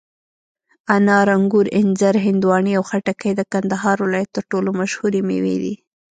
انار، انګور، انځر، هندواڼې او خټکي د کندهار ولایت تر ټولو مشهوري مېوې دي.